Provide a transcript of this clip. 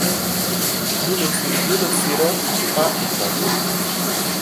Nous ne serons pas écrasés.